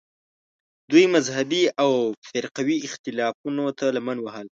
دوی مذهبي او فرقوي اختلافونو ته لمن وهل